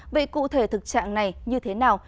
vậy cụ thể thực trạng này như thế nào